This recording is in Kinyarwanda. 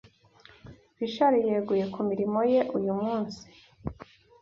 Rishari yeguye kumirmo ye uyu munsi